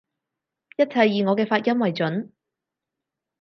一切以我嘅發音爲準